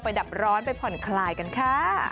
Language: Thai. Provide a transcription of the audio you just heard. ดับร้อนไปผ่อนคลายกันค่ะ